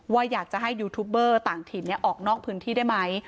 อยากจะให้ยูทูบเบอร์ต่างถิ่นออกนอกพื้นที่ได้ไหม